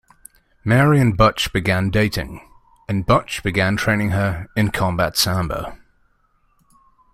Mary and Butch began dating, and Butch began training her in Combat Sambo.